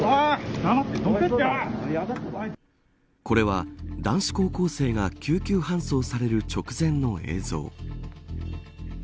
これは、男子高校生が救急搬送される直前の映像。